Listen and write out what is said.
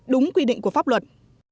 đúng quy định của pháp luật